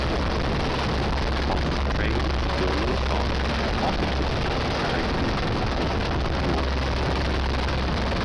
Whilst trains normally stop at Cockatoo, very few passengers join or alight.